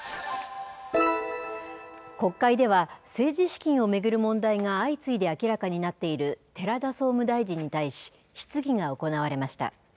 国会では政治資金を巡る問題が相次いで明らかになっている寺田総務大臣に対し、質疑が行われました。